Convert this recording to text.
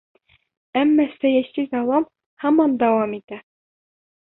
Әммә сәйәси золом һаман дауам итә.